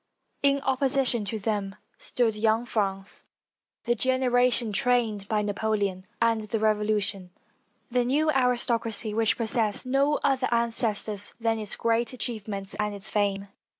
In opposition to them stood young France, the generation trained by Napoleon and the Revolution — the new aristocracy which pos sessed no other ancestors than its great achievements and its fame.